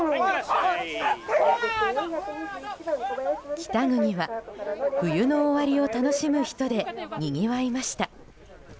北国は冬の終わりを楽しむ人でにぎわいました。